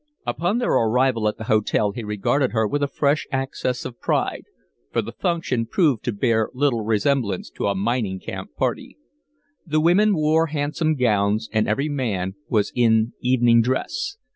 Upon their arrival at the hotel he regarded her with a fresh access of pride, for the function proved to bear little resemblance to a mining camp party. The women wore handsome gowns, and every man was in evening dress.